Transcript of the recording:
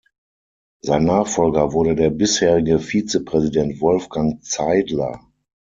Sein Nachfolger wurde der bisherige Vizepräsident Wolfgang Zeidler.